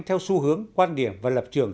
theo xu hướng quan điểm và lập trường